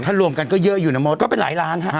ถ้ารวมกันก็เยอะอยู่นะมดก็เป็นหลายล้านฮะ